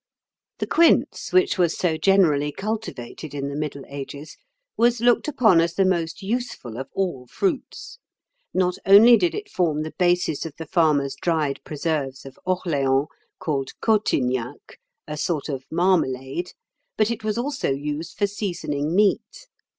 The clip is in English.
The quince, which was so generally cultivated in the Middle Ages, was looked upon as the most useful of all fruits. Not only did it form the basis of the farmers' dried preserves of Orleans, called cotignac, a sort of marmalade, but it was also used for seasoning meat.